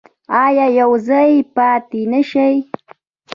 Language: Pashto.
آیا او یوځای پاتې نشي؟